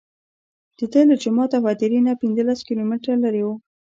دده له جومات او هدیرې نه پنځه لس کیلومتره لرې وه.